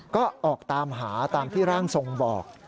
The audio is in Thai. ก็ออกตามหาตามที่ร่างทรงบอก